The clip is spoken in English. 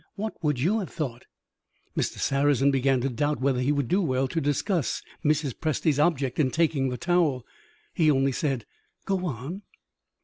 What would you have thought?" Mr. Sarrazin began to doubt whether he would do well to discuss Mrs. Presty's object in taking the towel. He only said, "Go on."